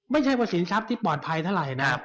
ไม่ใช่ว่าสินทรัพย์ที่ปลอดภัยเท่าไหร่นะ